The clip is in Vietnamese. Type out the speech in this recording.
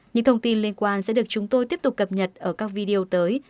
những thông tin liên quan sẽ được chúng tôi tiếp tục cập nhật ở các video tới